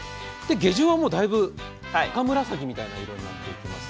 下旬はだいぶ、赤紫みたいな色になっていきます。